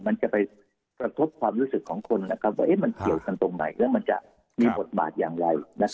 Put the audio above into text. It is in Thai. มันจะไปกระทบความรู้สึกของคนว่ามันเกี่ยวกันตรงไหนแล้วมันจะมีบทบาทอย่างไร